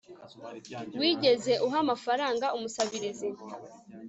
wigeze uha amafaranga umusabirizi